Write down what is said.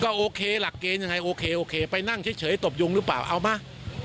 โอเคหลักเกณฑ์ยังไงโอเคโอเคไปนั่งเฉยตบยุงหรือเปล่าเอามา